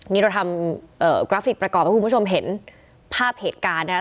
นี่เราทำกราฟิกประกอบให้คุณผู้ชมเห็นภาพเหตุการณ์นะครับ